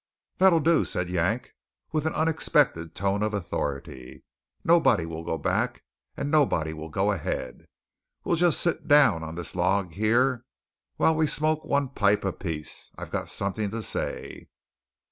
"That'll do!" said Yank, with an unexpected tone of authority. "Nobody will go back, and nobody will go ahead. We'll just sit down on this log, yere, while we smoke one pipe apiece. I've got something to say."